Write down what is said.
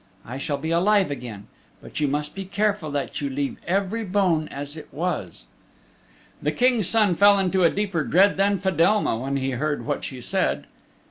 I shall be alive again. But you must be careful that you leave every bone as it was." The King's Son fell into a deeper dread than Fedelma when he heard what she said.